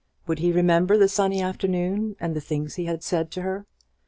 Would he remember the sunny afternoon, and the things he had said to her?